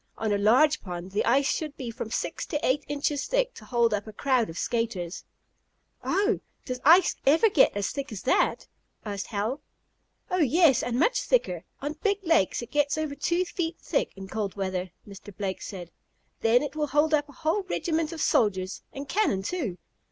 On a large pond the ice should be from six to eight inches thick to hold up a crowd of skaters." "Oh, does ice ever get as thick as that?" asked Hal. "Oh, yes, and much thicker. On big lakes it gets over two feet thick in cold weather," Mr. Blake said. "Then it will hold up a whole regiment of soldiers, and cannon too.